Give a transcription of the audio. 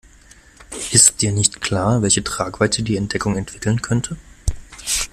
Ist dir nicht klar, welche Tragweite die Entdeckung entwickeln könnte?